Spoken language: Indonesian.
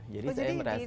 jadi saya merasa